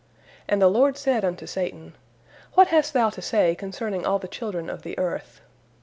And the Lord said unto Satan, "What hast thou to say concerning all the children of the earth?"